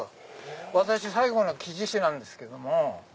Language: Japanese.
私最後の木地師なんですけども。